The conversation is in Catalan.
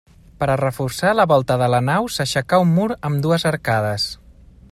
Per a reforçar la volta de la nau s'aixecà un mur amb dues arcades.